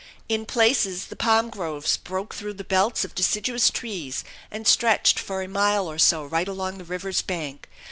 In places the palm groves broke through the belts of deciduous trees and stretched for a mile or so right along the river's bank.